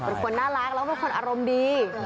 เป็นคนน่ารักแล้วก็เป็นคนอารมณ์ดี